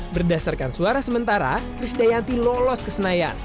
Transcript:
berdasarkan suara sementara kris dayanti lolos kesenayan